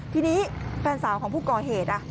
ทีนี้แฟนสาวของผู้ก่อเหตุ